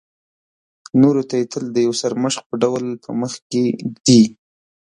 نورو ته یې تل د یو سرمشق په ډول په مخکې ږدي.